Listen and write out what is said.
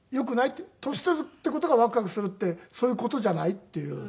年取るっていう事がワクワクするってそういう事じゃない？っていう。